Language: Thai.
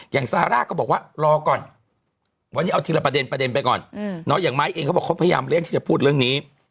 ซาร่าก็บอกว่ารอก่อนวันนี้เอาทีละประเด็นประเด็นไปก่อนอย่างไม้เองเขาบอกเขาพยายามเรียกที่จะพูดเรื่องนี้